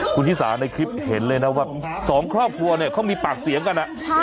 คุณชิสาในคลิปเห็นเลยนะว่าสองครอบครัวเนี่ยเขามีปากเสียงกัน